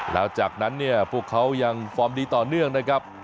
แล้วจากนั้นเนี่ยพวกเขายังฟอร์มดีต่อเนื่องนะครับ